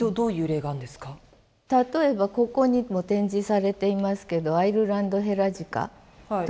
例えばここにも展示されていますけどアイルランドヘラジカという動物のものすごい角。